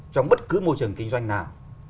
trong bất cứ môi trường kinh doanh nào